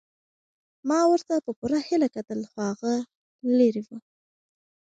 ما ورته په پوره هیله کتل خو هغه لیرې وه.